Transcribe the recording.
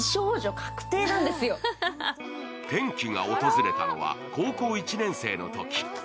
転機が訪れたのは高校１年生のとき。